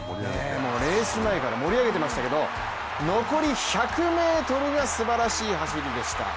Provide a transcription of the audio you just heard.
レース前から盛り上げていましたけれども、残り１００ｍがすばらしい走りでした。